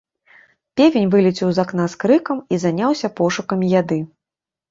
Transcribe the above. Певень вылецеў з акна з крыкам і заняўся пошукамі яды.